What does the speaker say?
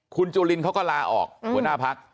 คุณจุลินเขาก็ลาออกหัวหน้าพัก